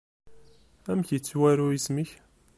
Amek yettwaru yisem-ik?